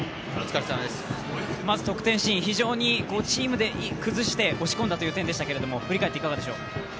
まず得点シーン、非常にチームで崩して押し込んだという点でしたが振り返っていかがでしょう。